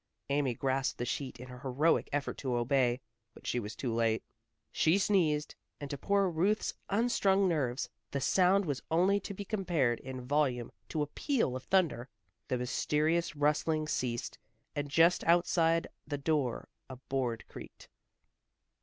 Amy grasped the sheet in a heroic effort to obey, but she was too late. She sneezed, and to poor Ruth's unstrung nerves, the sound was only to be compared in volume to a peal of thunder. The mysterious rustling ceased, and just outside the door a board creaked.